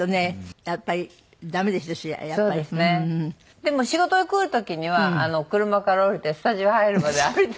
でも仕事に来る時には車から降りてスタジオ入るまで歩いてますでしょ？